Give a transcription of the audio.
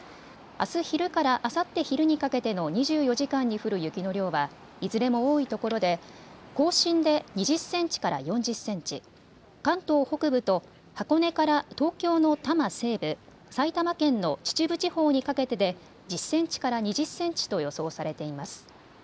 あす昼からあさって昼にかけての２４時間に降る雪の量はいずれも多いところで甲信で２０センチから４０センチ、関東北部と箱根から東京の多摩西部、埼玉県の秩父地方にかけてで１０センチから２０センチと予想されています。